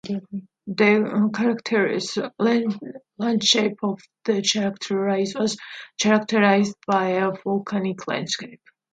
The Cretaceous landscape of the Chatham Rise was characterized by a volcanic landscape.